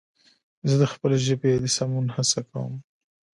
زه د خپلې ژبې د سمون هڅه کوم